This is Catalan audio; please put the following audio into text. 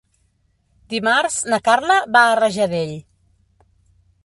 Dimarts na Carla va a Rajadell.